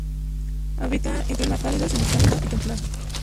Habita en clima cálido, semicálido y templado.